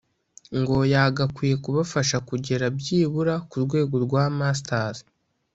ngo yagakwiye kubafasha kugera byibura ku rwego rwa masters